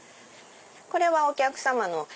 これはお客さまの。